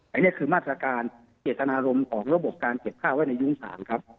อันนี้คือมาตรการเจตนารมณ์ของระบบการเก็บค่าไว้ในยุ้งสารครับ